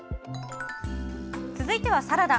続いては、サラダ。